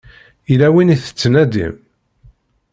Yella win i tettnadim?